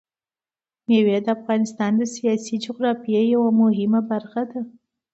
مېوې د افغانستان د سیاسي جغرافیه یوه مهمه برخه ده.